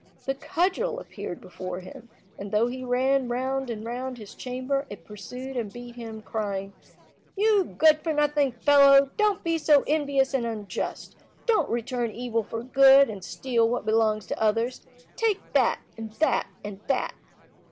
The cudgel appeared before him, and though he ran round and round his chamber, it pursued and beat him, crying— "You good for nothing fellow! Don't be so envious and unjust. Don't return evil for good, and steal what belongs to others. Take that, and that, and that!"